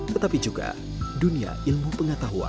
tetapi juga dunia ilmu pengetahuan